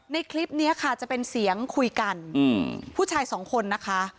คลิปนี้ค่ะจะเป็นเสียงคุยกันอืมผู้ชายสองคนนะคะ